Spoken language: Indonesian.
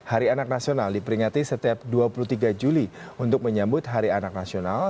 hari anak nasional diperingati setiap dua puluh tiga juli untuk menyambut hari anak nasional